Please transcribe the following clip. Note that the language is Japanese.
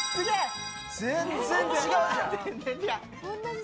全然違うじゃん！